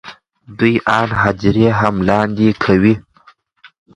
دوی آن هدیرې هم لاندې کوي.